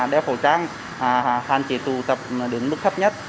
đeo khẩu trang hạn chế tụ tập đến mức thấp nhất